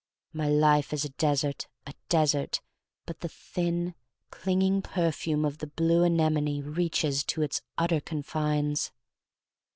My life is a desert — a desert, but the thin, clinging perfume of the blue anem one reaches to its utter confines.